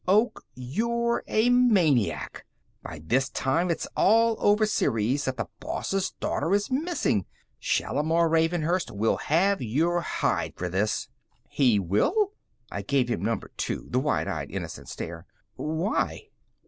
"Oak, you're a maniac! Why, by this time, it's all over Ceres that the boss' daughter is missing! Shalimar Ravenhurst will have your hide for this!" "He will?" I gave him Number 2 the wide eyed innocent stare. "Why?"